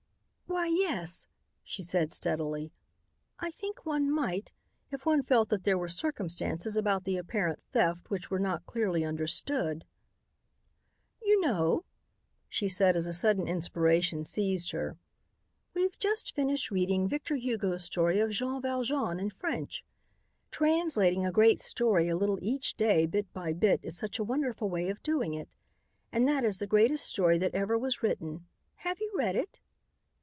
"Why, yes," she said steadily, "I think one might, if one felt that there were circumstances about the apparent theft which were not clearly understood. "You know," she said as a sudden inspiration seized her, "we've just finished reading Victor Hugo's story of Jean Valjean in French. Translating a great story a little each day, bit by bit, is such a wonderful way of doing it. And that is the greatest story that ever was written. Have you read it?"